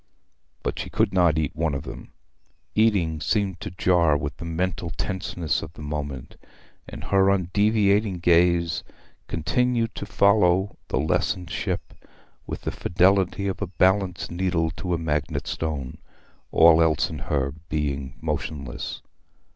But she could not eat one of them; eating seemed to jar with the mental tenseness of the moment; and her undeviating gaze continued to follow the lessened ship with the fidelity of a balanced needle to a magnetic stone, all else in her being motionless.